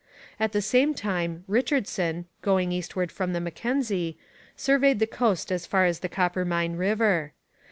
At the same time Richardson, going eastward from the Mackenzie, surveyed the coast as far as the Coppermine river.